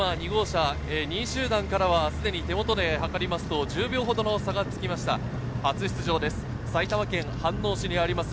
２号車２位集団からはすでに手元で計りますと１０秒ほどの差がつきました。